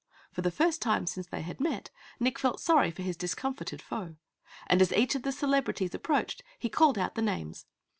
For the first time since they had met, Nick felt sorry for his discomfited foe, and as each of the celebrities approached, he called out the names.